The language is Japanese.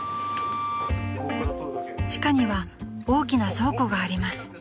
［地下には大きな倉庫があります］